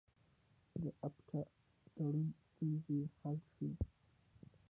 د اپټا تړون ستونزې حل شوې؟